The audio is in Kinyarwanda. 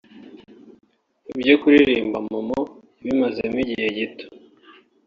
Ibyo kuririmba Momo yabimazemo igihe gito